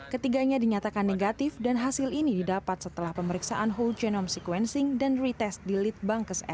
ketiganya dinyatakan negatif dan hasil ini didapat setelah pemeriksaan whole genome sequencing dan retest di litbangkes